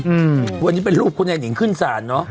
อืมวันนี้เป็นรูปคุณยายนิงขึ้นศาลเนอะ